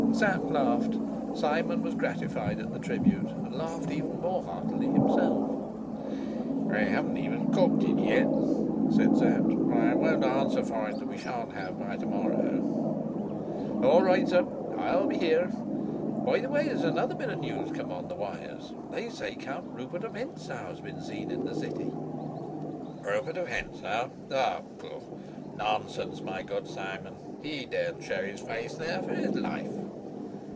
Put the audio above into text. Sapt laughed; Simon was gratified at the tribute, and laughed even more heartily himself. "We haven't even cooked it yet," said Sapt, "but I won't answer for it that we sha'n't have by to morrow." "All right, sir; I'll be here. By the way, there's another bit of news come on the wires. They say Count Rupert of Hentzau has been seen in the city." "Rupert of Hentzau? Oh, pooh! Nonsense, my good Simon. He daren't show his face there for his life."